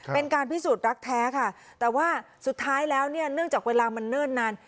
เป็นการพิสูจน์รักแท้ค่ะแต่ว่าสุดท้ายแล้วเนี่ยเนื่องจากเวลามันเนิ่นนาน